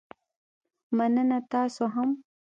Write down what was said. مننه، تاسو هم